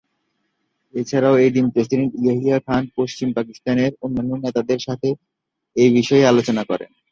এছাড়াও এদিন প্রেসিডেন্ট ইয়াহিয়া খান পশ্চিম পাকিস্তানের অন্যান্য নেতাদের সাথে এই বিষয়ে আলোচনা করেন।